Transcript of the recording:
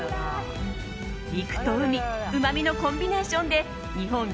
陸と海うまみのコンビネーションで日本